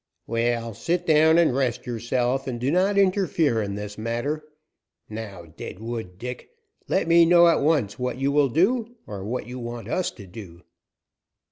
"Well, sit down and rest yourself, and do not interfere in this matter. Now, Deadwood Dick, let me know at once what you will do or what you want us to do."